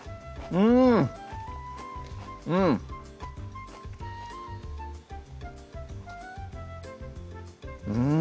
うんうんうん